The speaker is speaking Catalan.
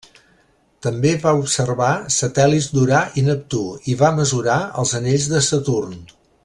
També va observar satèl·lits d'Urà i Neptú, i va mesurar els anells de Saturn.